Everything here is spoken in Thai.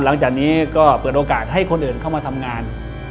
หลังจากนี้ก็เปิดโอกาสให้คนอื่นเข้ามาทำงาน